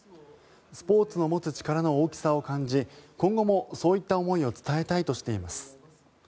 スポーツの持つ力の大きさを感じ今後もそういった思いを伝えたいとしています。